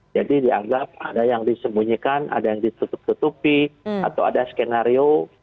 dianggap ada yang disembunyikan ada yang ditutup tutupi atau ada skenario